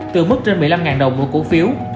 từ mức trên một mươi năm đồng mỗi cổ phiếu